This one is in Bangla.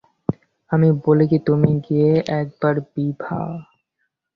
আমি বলি কি, তুমি গিয়ে একবার– বিভা।